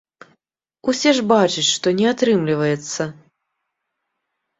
Усе ж бачаць, што не атрымліваецца!